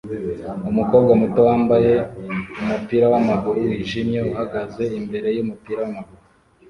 Umukobwa muto wambaye umupira wamaguru wijimye uhagaze imbere yumupira wamaguru